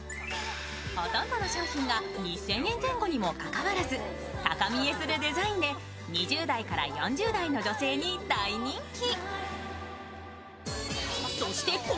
ほとんどの商品が２０００円前後にもかかわらず高見えするデザインで２０代から４０代の女性に大人気。